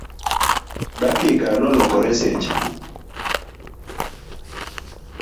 dakika nolokore seche